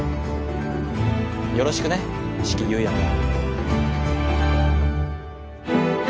よろしくね四鬼夕也君。